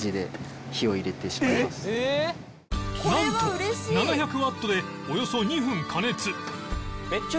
なんと７００ワットでおよそ２分加熱